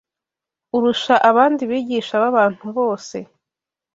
urusha abandi bigisha b’abantu bose